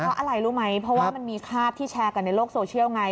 เพราะอะไรรู้ไหมเพราะว่ามันมีภาพที่แชร์กันในโลกโซเชียลไง